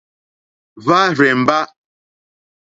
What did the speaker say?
Hwá rzèmbá.